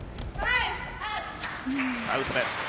アウトです。